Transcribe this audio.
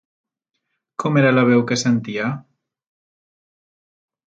Com era la veu que sentia?